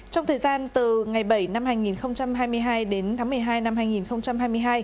trong thời gian từ ngày bảy năm hai nghìn hai mươi hai đến tháng một mươi hai năm hai nghìn hai mươi hai